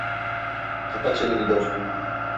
Kapa çeneni, dostum.